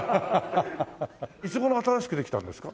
いつ頃新しくできたんですか？